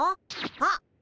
あっ。